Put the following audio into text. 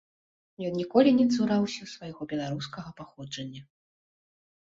Ён ніколі не цураўся свайго беларускага паходжання.